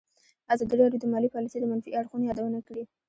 ازادي راډیو د مالي پالیسي د منفي اړخونو یادونه کړې.